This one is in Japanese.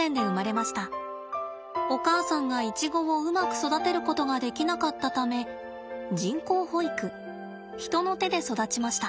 お母さんがイチゴをうまく育てることができなかったため人工哺育人の手で育ちました。